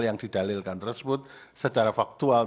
yang didalilkan tersebut secara faktual